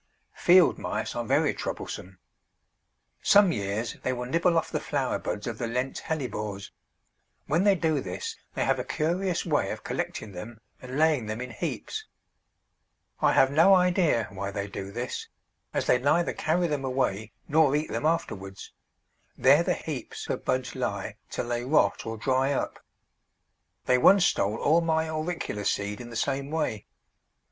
Field mice are very troublesome. Some years they will nibble off the flower buds of the Lent Hellebores; when they do this they have a curious way of collecting them and laying them in heaps. I have no idea why they do this, as they neither carry them away nor eat them afterwards; there the heaps of buds lie till they rot or dry up. They once stole all my Auricula seed in the same way.